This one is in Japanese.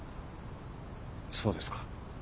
そうですか。